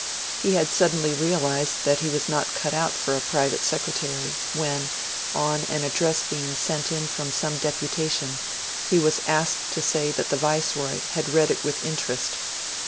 He had suddenly realised that he was not cut out for a Private Secretary, when, on an address being sent in from some deputation, he was asked to say that the Viceroy had read it with interest.